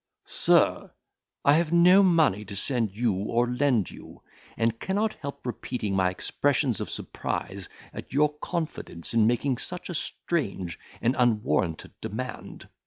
Sir, I have no money to send you or lend you; and cannot help repeating my expressions of surprise at your confidence in making such a strange and unwarranted demand.